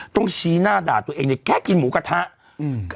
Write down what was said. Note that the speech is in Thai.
ชี้หน้าด่าตัวเองเนี่ยแค่กินหมูกระทะอืม